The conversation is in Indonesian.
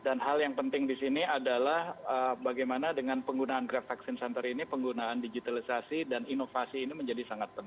dan hal yang penting di sini adalah bagaimana dengan penggunaan grab vaksin center ini penggunaan digitalisasi dan inovasi ini menjadi sangat baik